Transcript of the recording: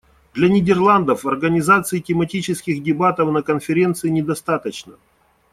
Для Нидерландов организации тематических дебатов на Конференции не достаточно.